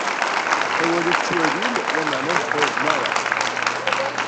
Awali tettwalim, lameɛna ur tfeṛṛzem ara.